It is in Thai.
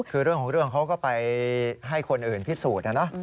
คือเรื่องของเรื่องเขาก็ไปให้คนอื่นพิสูจน์นะ